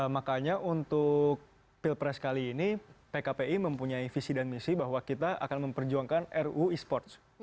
makanya untuk pilpres kali ini pkpi mempunyai visi dan misi bahwa kita akan memperjuangkan ruu e sports